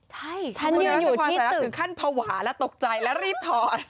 ใช่คุณรัฐสะพานใส่แล้วคือขั้นภาวะแล้วตกใจแล้วรีบถอด